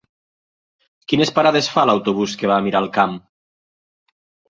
Quines parades fa l'autobús que va a Miralcamp?